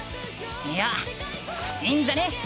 いやいいんじゃね？